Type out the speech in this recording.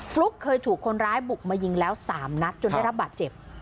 ลุ๊กเคยถูกคนร้ายบุกมายิงแล้ว๓นัดจนได้รับบาดเจ็บ